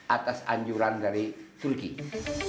atas anjuran dari islam